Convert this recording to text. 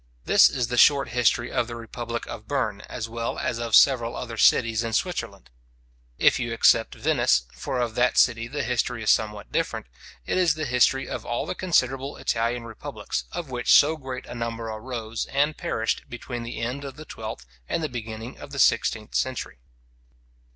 This is the short history of the republic of Berne, as well as of several other cities in Switzerland. If you except Venice, for of that city the history is somewhat different, it is the history of all the considerable Italian republics, of which so great a number arose and perished between the end of the twelfth and the beginning of the sixteenth century.